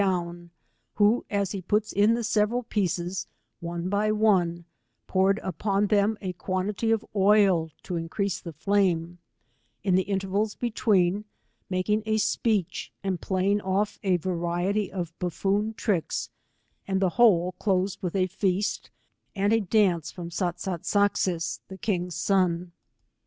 »D, who, as he puts in the several pieces, one by one, poured upon them a quantity of oil to increase the fiame, in the intervals between, making a speech and playing off a variety of buffoon tricks, and the w hole closed with a feast, and a dance from Sat sat sak fiis, the king's son.